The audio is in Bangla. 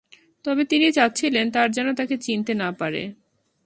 তবে তিনি চাচ্ছিলেন, তারা যেন তাঁকে চিনতে না পারে।